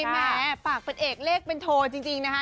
แม่ฝากเป็นเอกเลขเป็นโทจริงนะคะ